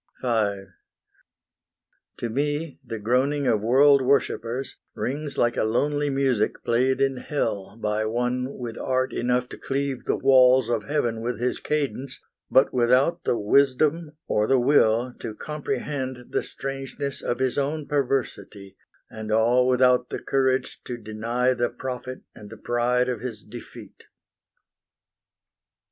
V To me the groaning of world worshippers Rings like a lonely music played in hell By one with art enough to cleave the walls Of heaven with his cadence, but without The wisdom or the will to comprehend The strangeness of his own perversity, And all without the courage to deny The profit and the pride of his defeat.